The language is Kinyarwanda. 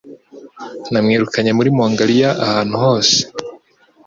Namwirukanye muri Mongoliya, ahantu hose.